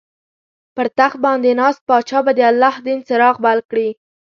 پر تخت باندې ناست پاچا به د الله دین څراغ بل کړي.